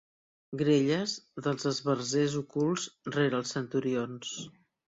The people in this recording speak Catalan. Grelles dels esbarzers ocults rere els centurions.